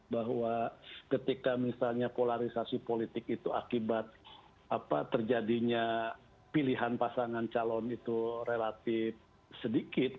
bahwa ketika misalnya polarisasi politik itu akibat terjadinya pilihan pasangan calon itu relatif sedikit